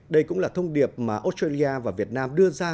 đây cũng là thông điệp mà australia và việt nam đưa ra